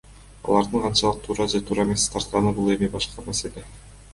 Алардын канчалык туура же туура эмес тартканы бул эми башка маселе.